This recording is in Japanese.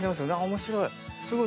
面白い！